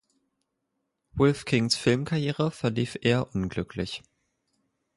Woolf Kings Filmkarriere verlief eher unglücklich.